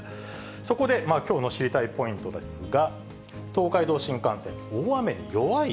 そこできょうの知りたいポイントですが、東海道新幹線、大雨に弱い？